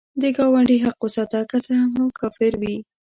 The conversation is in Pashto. د ګاونډي حق وساته، که څه هم کافر وي